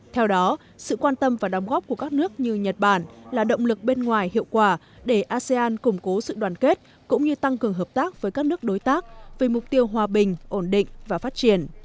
theo đó sự quan tâm và đóng góp của các nước như nhật bản là động lực bên ngoài hiệu quả để asean củng cố sự đoàn kết cũng như tăng cường hợp tác với các nước đối tác vì mục tiêu hòa bình ổn định và phát triển